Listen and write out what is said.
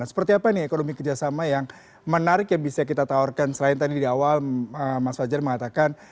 seperti apa nih ekonomi kerjasama yang menarik yang bisa kita tawarkan selain tadi di awal mas fajar mengatakan